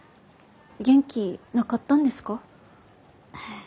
元気なかったんですか？